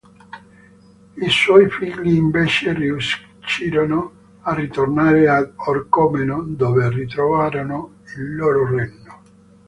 I suoi figli invece riuscirono a ritornare ad Orcomeno dove ritrovarono il loro regno.